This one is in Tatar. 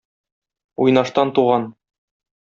Уйнаштан туган.